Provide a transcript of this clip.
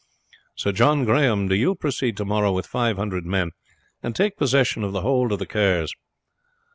Sir John Grahame, do you proceed tomorrow with five hundred men and take possession of the hold of the Kerrs.